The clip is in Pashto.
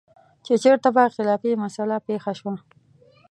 چې چېرته به اختلافي مسله پېښه شوه.